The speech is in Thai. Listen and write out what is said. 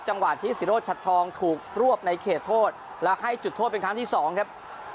จังหวะที่ศิโรชัดทองถูกรวบในเขตโทษและให้จุดโทษเป็นครั้งที่สองครับ